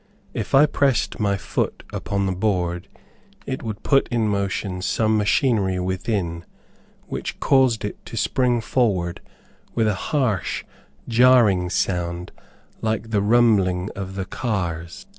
If I pressed my foot upon the board, it would put in motion some machinery within, which caused it to spring forward with a harsh, jarring sound like the rumbling of the cars.